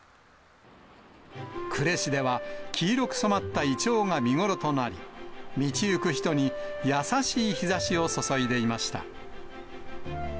呉市では、黄色く染まったイチョウが見頃となり、道行く人に、優しい日ざしを注いでいました。